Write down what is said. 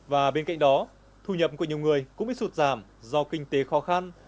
và bên cạnh đó thu nhập của nhiều người cũng bị sụt giảm do kinh tế khó khăn